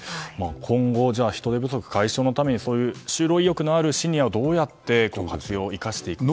今後、人手不足解消のために就労意欲のあるシニアをどうやって活用していくかという。